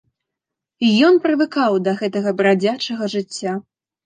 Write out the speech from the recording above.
Ён прывыкаў да гэтага брадзячага жыцця.